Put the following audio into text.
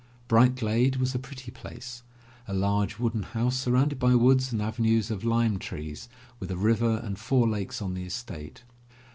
Bright Glade was a pretty place, a large wooden house sur rounded by woods and avenues of lime trees, with a river and four lakes on the estate.